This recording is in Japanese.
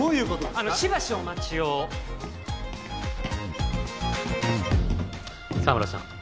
あのしばしお待ちを沢村さん